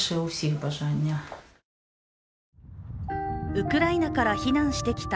ウクライナから避難してきた